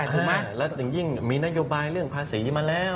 ถูกไหมแล้วอย่างยิ่งมีนโยบายเรื่องภาษีมาแล้ว